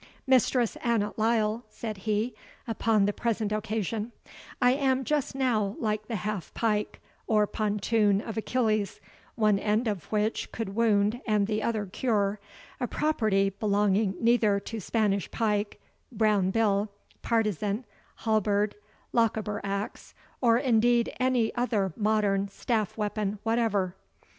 "Mistress Annot Lyle," said he, upon the present occasion, "I am just now like the half pike, or spontoon of Achilles, one end of which could wound and the other cure a property belonging neither to Spanish pike, brown bill, partizan, halberd, Lochaber axe, or indeed any other modern staff weapon whatever."